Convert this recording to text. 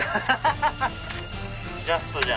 ジャストじゃん。